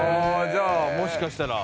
じゃあもしかしたら。